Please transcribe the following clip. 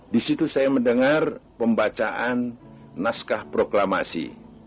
disitu saya mendengar pembacaan naskah proklamasi